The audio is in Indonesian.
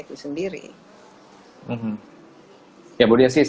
istilahnya apa sih